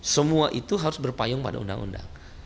semua itu harus berpayung pada undang undang